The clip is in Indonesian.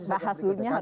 nah hasilnya harus